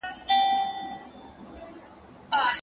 هغه به پخپله اوږه ډېري مڼې وړي.